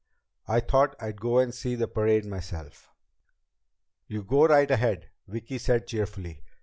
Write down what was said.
"I thought I'd go and see the parade myself." "You go right ahead," Vicki said cheerfully.